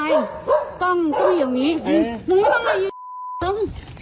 เอ๊ะมึงไม่ต้องไปอย่างนี้มันผู้บาดไง